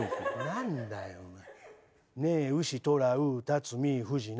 何だよお前。